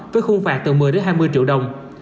với khuôn phạt từ một mươi hai mươi triệu đồng